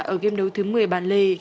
ở game đấu thứ một mươi bản lê